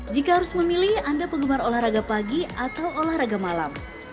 jika harus memilih anda penggemar olahraga pagi atau olahraga malam